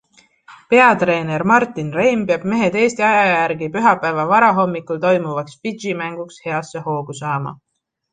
Peatreener Martin Reim peab mehed Eesti aja järgi pühapäeva varahommikul toimuvaks Fidži mänguks heasse hoogu saama.